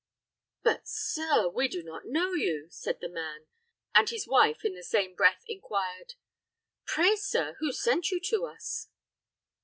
"But, sir, we do not know you," said the man; and his wife in the same breath inquired, "Pray, sir, who sent you to us?"